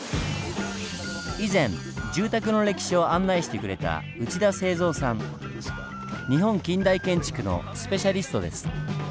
以前住宅の歴史を案内してくれた日本近代建築のスペシャリストです。